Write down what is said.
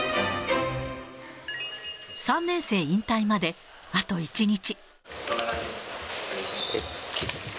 ３年生引退まであと１日。